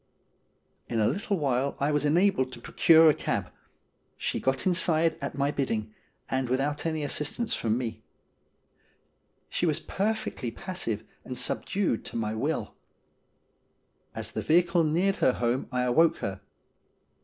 In a little while I was enabled to procure a cab. She got inside at my bidding, and without any assist ance from me. She was perfectly passive and subdued to my 156 STORIES WEIRD AND WONDERFUL will. As the vehicle neared her home I awoke her.